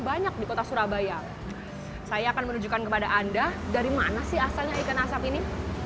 banyak di kota surabaya saya akan menunjukkan kepada anda dari mana sih asalnya ikan asap ini